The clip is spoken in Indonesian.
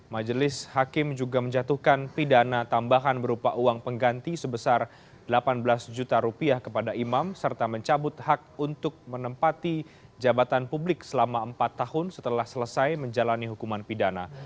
majelis hakim juga menjatuhkan pidana tambahan berupa uang pengganti sebesar delapan belas juta rupiah kepada imam serta mencabut hak untuk menempati jabatan publik selama empat tahun setelah selesai menjalani hukuman pidana